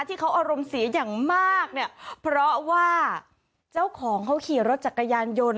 ที่เขาอารมณ์เสียอย่างมากเนี่ยเพราะว่าเจ้าของเขาขี่รถจักรยานยนต์